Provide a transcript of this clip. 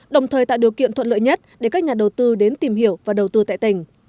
đồng thời tạo điều kiện thuận lợi nhất để các nhà đầu tư đến tìm hiểu và đầu tư tại tỉnh